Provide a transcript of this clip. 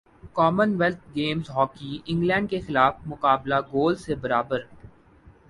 common wealth games hockey England کیخلاف مقابلہ goals سے برابر